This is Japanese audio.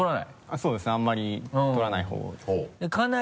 そうですねあんまり撮らない方ですね。